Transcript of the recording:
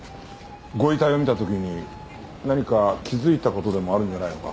ご遺体を見た時に何か気づいた事でもあるんじゃないのか？